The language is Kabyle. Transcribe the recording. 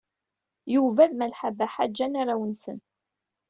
Yuba d Malḥa Baḥa jjan arraw-nsen.